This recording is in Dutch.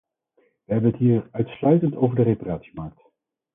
We hebben het hier uitsluitend over de reparatiemarkt.